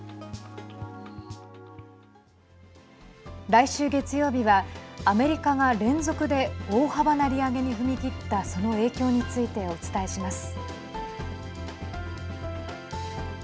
来週月曜日はアメリカが連続で大幅な利上げに踏み切ったその影響についてお伝えします。